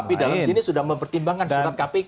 tapi dalam sini sudah mempertimbangkan surat kpk